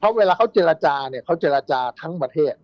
เพราะเวลาเขาจรญรจาเนี่ยก็จะจะทั้งประเทศ